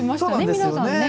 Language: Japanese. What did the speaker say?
皆さんね。